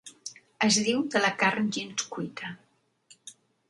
Es diu de la carn gens cuita.